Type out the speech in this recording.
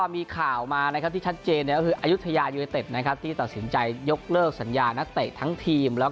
มีข่าวมาที่ชัดเจนอายุทยายุเต็ปที่ตัดสินใจยกเลิกสัญญานักเตะทั้งทีม